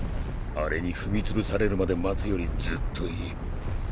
アレに踏み潰されるまで待つよりずっといい。